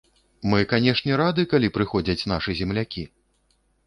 Мы, канешне, рады, калі прыходзяць нашы землякі.